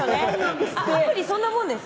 アプリそんなもんです